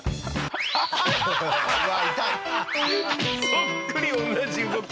そっくり同じ動き。